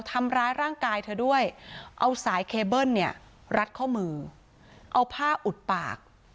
ทำร้ายร่างกายเธอด้วยเอาสายเคเบิ้ลเนี่ยรัดข้อมือเอาผ้าอุดปาก